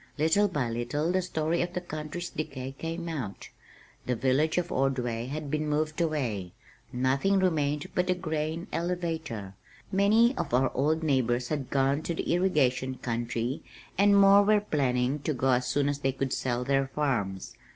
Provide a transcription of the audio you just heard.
Little by little the story of the country's decay came out. The village of Ordway had been moved away, nothing remained but the grain elevator. Many of our old neighbors had gone "to the irrigation country" and more were planning to go as soon as they could sell their farms.